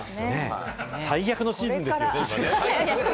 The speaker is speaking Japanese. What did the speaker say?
最悪のシーズンですよね。